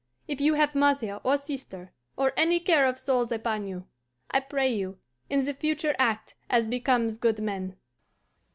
If you have mother or sister, or any care of souls upon you, I pray you, in the future act as becomes good men."